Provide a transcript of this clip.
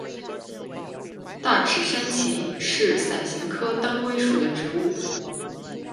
大齿山芹是伞形科当归属的植物。